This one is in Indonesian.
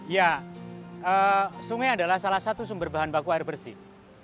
ya sungai adalah salah satu sumber bahan baku air bersih